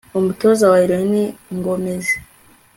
umutoza wa reyo ni gomezi